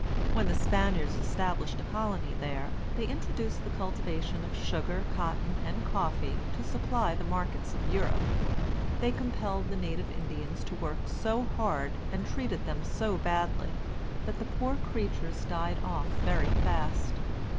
When the Spaniards established a colony there, they introduced the cultivation of sugar, cotton, and coffee, to supply the markets of Europe. They compelled the native Indians to work so hard, and treated them so badly, that the poor creatures died off very fast.